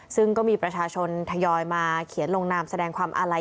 ซึ่งก็มีประชาชนทยอยมาเขียนลงนามแสดงความอาลัย